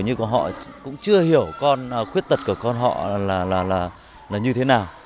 nhưng của họ cũng chưa hiểu con khuyết tật của con họ là như thế nào